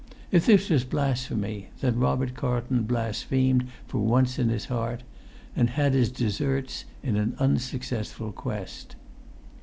If this was blasphemy, then Robert Carlton blasphemed for once in his heart; and had his deserts in an unsuccessful quest.